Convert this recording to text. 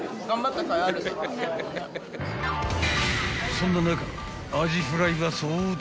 ［そんな中］